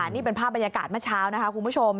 นี่เป็นภาพบรรยากาศเมื่อเช้านะคะคุณผู้ชม